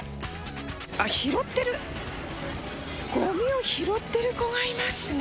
拾ってる、ごみを拾ってる子がいますね。